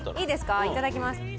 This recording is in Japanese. いいですかいただきます。